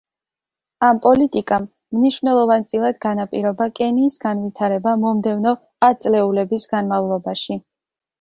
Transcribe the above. ამ პოლიტიკამ მნიშვნელოვანწილად განაპირობა კენიის განვითარება მომდევნო ათწლეულების განმავლობაში.